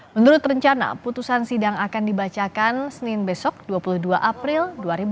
menurut rencana putusan sidang akan dibacakan senin besok dua puluh dua april dua ribu dua puluh